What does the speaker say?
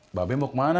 mbak be mau kemana